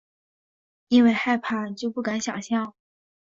因为害怕就不敢想像